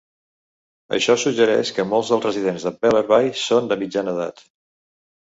Això suggereix que molts dels residents de Bellerby són de mitjana edat.